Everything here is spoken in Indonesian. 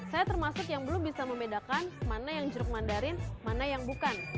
saya termasuk yang belum bisa membedakan mana yang jeruk mandarin mana yang bukan